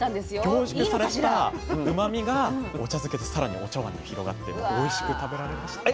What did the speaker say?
凝縮されたうまみがお茶漬けで更にお茶碗に広がっておいしく食べられました。